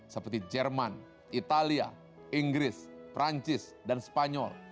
seperti jerman italia inggris perancis dan spanyol